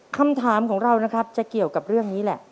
คำถามของเรานะครับจะเกี่ยวกับเรื่องนี้แหละ